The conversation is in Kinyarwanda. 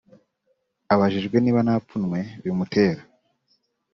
Abajijwe niba nta pfunwe bimutera